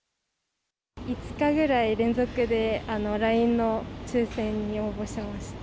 ５日ぐらい連続でＬＩＮＥの抽せんに応募しました。